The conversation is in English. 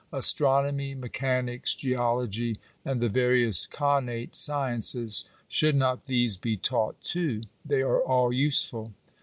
Astronomy, mechanics, geology, and the various connate sciences — should not these be taught, too? they are all useful.